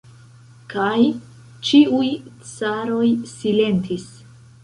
Kaj ĉiuj caroj silentis.